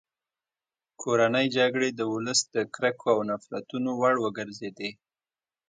کورنۍ جګړې د ولس د کرکو او نفرتونو وړ وګرځېدې.